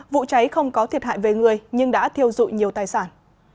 vụ cháy không có thiệt hại về người nhưng đã thiêu dụi nhiều tài sản